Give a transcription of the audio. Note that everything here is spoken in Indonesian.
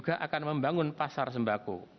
juga akan membangun pasar sembako